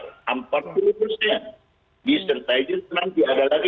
tidak ada lagi yang terbaru